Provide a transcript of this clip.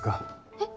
えっ？